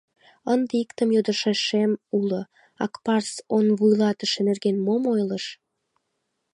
— Ынде иктым йодшашем уло: Акпарс он вуйлатыше нерген мом ойлыш?